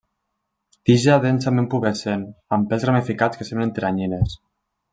Tija densament pubescent amb pèls ramificats que semblen teranyines.